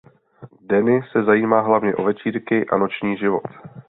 Danny se zajímá hlavně o večírky a noční život.